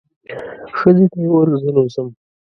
ښځې ته یې وویل زه نو ځم.